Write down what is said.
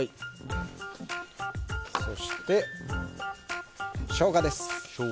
そしてショウガです。